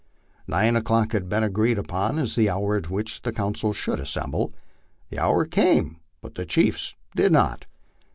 Nine o'clock had been agreed upon as the hour at which the council should assemble. The hour came, but the chiefs did not.